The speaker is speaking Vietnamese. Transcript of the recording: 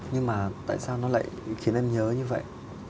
nhưng mà tại sao nó lại khiến em nhớ như vậy